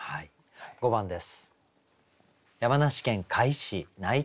５番です。